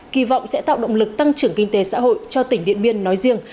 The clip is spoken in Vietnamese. kỳ vọng sẽ tạo động lực tăng trưởng kinh tế xã hội cho tỉnh điện biên nói riêng